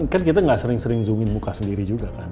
kan kita gak sering sering zoomin muka sendiri juga kan